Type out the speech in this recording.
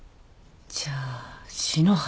じゃあ篠原